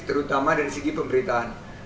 terutama dari segi pemberitaan